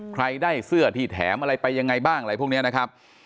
ใครได้เสื้อที่แถมอะไรไปยังไงบ้างอะไรพวกนี้นะครับ